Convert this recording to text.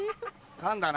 噛んだな！